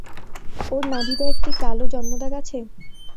ওর নাভিতে একটি কালো জন্মদাগ আছে?